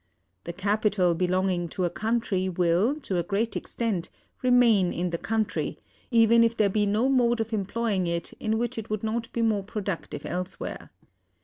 The capital belonging to a country will, to a great extent, remain in the country, even if there be no mode of employing it in which it would not be more productive elsewhere.